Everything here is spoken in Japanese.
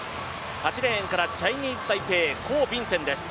８レーンからチャイニーズ・タイペイコウ・ビンセン。